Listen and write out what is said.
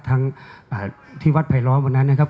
ทั้งที่วัดไผลล้อมวันนั้นนะครับ